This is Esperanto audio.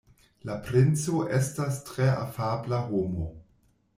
La princo estas tre afabla homo.